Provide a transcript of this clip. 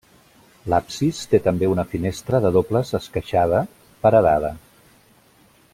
L'absis té també una finestra de dobles esqueixada, paredada.